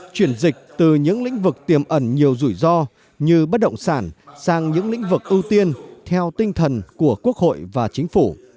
chuyển dịch từ những lĩnh vực tiềm ẩn nhiều rủi ro như bất động sản sang những lĩnh vực ưu tiên theo tinh thần của quốc hội và chính phủ